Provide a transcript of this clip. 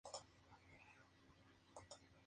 Records, y fue producido por Bob Ezrin.